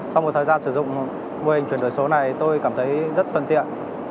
sau một thời gian sử dụng mô hình chuyển đổi số này tôi cảm thấy rất tuần tiện